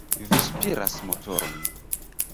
Vi spiras motoron!